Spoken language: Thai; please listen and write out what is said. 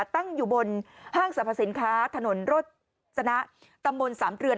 ตั้งอยู่บนห้างสรรพสินค้าถนนโรจนะตำบลสามเรือน